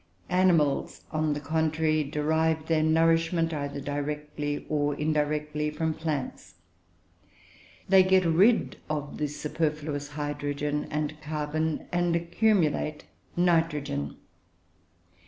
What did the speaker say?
Animals, on the contrary, derive their nourishment either directly or indirectly from plants. They get rid of the superfluous hydrogen and carbon, and accumulate nitrogen.